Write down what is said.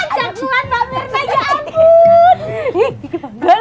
jangan mbak mir